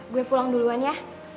gue pulang duluan ya